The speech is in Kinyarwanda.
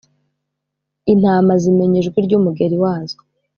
Intama zimenyaijwi ryumugeri wazo